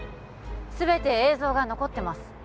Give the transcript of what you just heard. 全て映像が残ってます